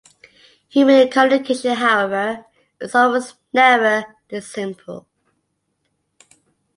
Human communication however, is almost never this simple.